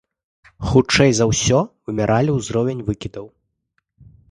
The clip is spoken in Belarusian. Хутчэй за ўсё, вымяралі ўзровень выкідаў.